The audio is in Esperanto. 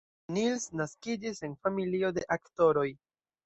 Niels naskiĝis en familio de aktoroj.